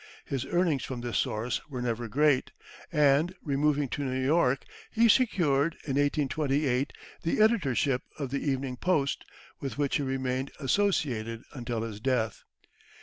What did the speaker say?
His earnings from this source were never great, and, removing to New York, he secured, in 1828, the editorship of the Evening Post, with which he remained associated until his death.